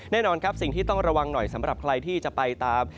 แน่นอนครับสิ่งที่ต้องระวังหน่อยสำหรับใครที่จะไปตาม